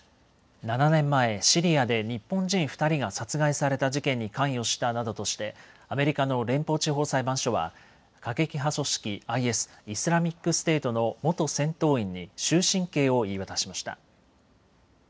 ７年前、シリアで日本人２人が殺害された事件に関与したなどとしてアメリカの連邦地方裁判所は過激派組織ＩＳ・イスラミックステートの元戦闘員に終身刑を言い渡しました。